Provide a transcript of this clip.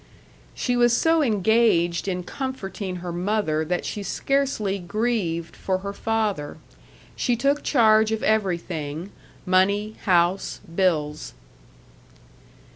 She was so engaged in comforting her mother that she scarcely grieved for her father. She took charge of everything money, house, bills.